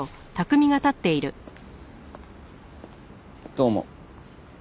どうも。